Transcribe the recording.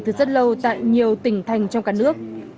từ rất lâu tại nhiều tỉnh thành trong cả nước